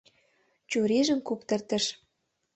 Чурийжым куптыртыш.